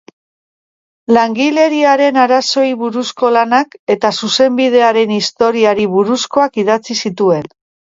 Langileriaren arazoei buruzko lanak eta Zuzenbidearen historiari buruzkoak idatzi zituen.